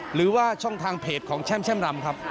หรือว่าช่องทางเพจของแช่มรำครับ